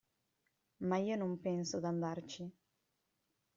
Ma io non penso d'andarci.